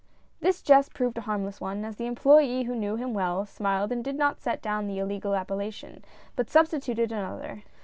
" This jest proved a harmless one, as the employ^ who knew him well smiled and did not set down the illegal appellation, but substituted another.